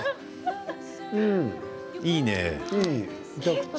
いいね。